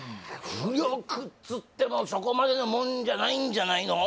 浮力つってもそこまでのもんじゃないんじゃないの？